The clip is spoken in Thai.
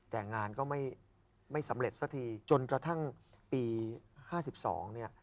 แต่งานก็ไม่สำเร็จสักทีจนกระทั่งปี๕๒เนี่ย